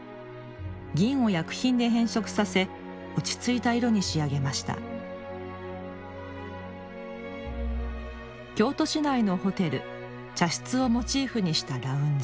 銀を薬品で変色させ落ち着いた色に仕上げました京都市内のホテル茶室をモチーフにしたラウンジ。